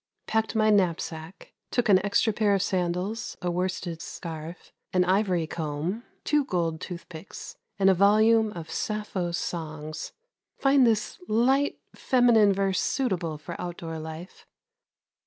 Packed my knapsack. Took an extra pair of sandals, a worsted scarf, an ivory comb, two gold toothpicks, and a volume of Sappho's Songs. Find this light, feminine verse suitable for outdoor life.